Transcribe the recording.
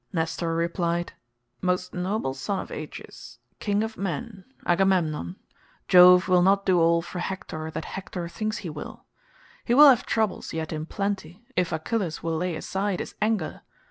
Nestor replied, "Most noble son of Atreus, king of men, Agamemnon, Jove will not do all for Hector that Hector thinks he will; he will have troubles yet in plenty if Achilles will lay aside his anger.